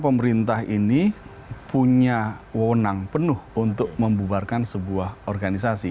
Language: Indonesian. pemerintah ini punya wonang penuh untuk membubarkan sebuah organisasi